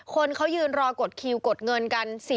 คนเขายืนรอกดคิวกดเงินกัน